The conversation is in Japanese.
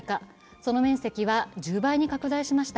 その面積は１０倍に拡大しました。